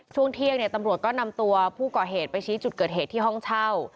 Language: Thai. ช่วงเที่ยงตำรวจก็นำตัวผู้ก่อเหตุไปชี้จุดเกิดเหตุที่ห้องเช่า